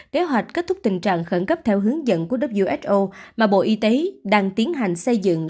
kế hoạch kết thúc tình trạng khẩn cấp theo hướng dẫn của who mà bộ y tế đang tiến hành xây dựng